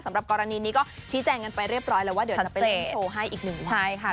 สำหรับกรณีนี้ก็ชี้แจงกันไปเรียบร้อยแล้วว่าเดี๋ยวจะไปเล่นโชว์ให้อีกหนึ่งวันใช่ค่ะ